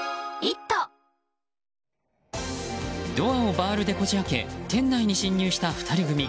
ドアをバールでこじ開け店内に侵入した２人組。